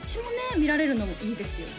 見られるのもいいですよね